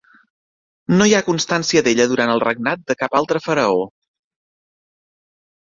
No hi ha constància d'ella durant el regnat de cap altre faraó.